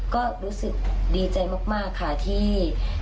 ก็รู้สึกดีใจมากค่ะที่